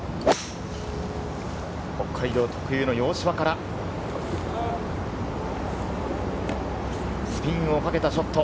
北海道特有の洋芝から、スピンをかけたショット。